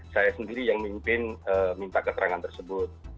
saya sendiri yang mimpin minta keterangan tersebut